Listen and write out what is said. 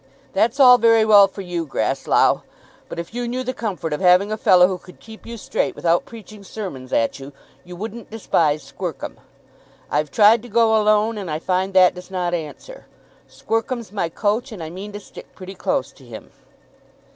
"That's all very well for you, Grasslough; but if you knew the comfort of having a fellow who could keep you straight without preaching sermons at you you wouldn't despise Squercum. I've tried to go alone and I find that does not answer. Squercum's my coach, and I mean to stick pretty close to him."